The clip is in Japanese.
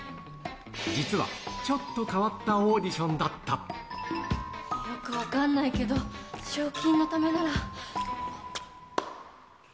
実は、ちょっと変わったオーよく分かんないけど、賞金のためなら。